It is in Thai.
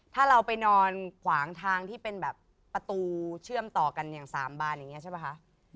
ถ้าเราไปนอนขวางทางที่เป็นแบบประตูเชื่อมต่อกันอย่างสามบานอย่างนี้ใช่ป่ะคะ